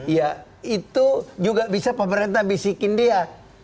ya itu juga bisa pemerintah bisikin dia